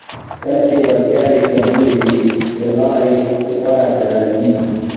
کله چې وړتیاوې کمزورې وي دا لاره غوره ګڼل کیږي